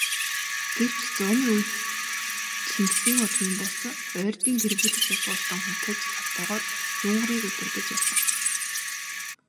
Гэвч, зууны үед Чингисийн удмын бус, Ойрдын тэргүүлэх язгууртан хунтайж цолтойгоор Зүүнгарыг удирдаж асан.